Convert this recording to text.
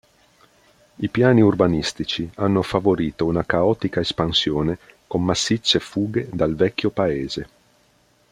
I piani urbanistici hanno favorito una caotica espansione, con massicce fughe dal vecchio paese.